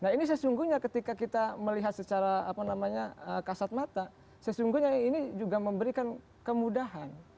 nah ini sesungguhnya ketika kita melihat secara kasat mata sesungguhnya ini juga memberikan kemudahan